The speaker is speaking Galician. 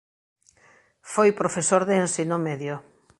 Foi profesor de ensino medio.